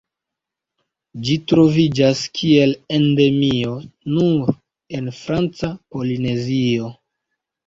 Ĝi troviĝas kiel endemio nur en Franca Polinezio.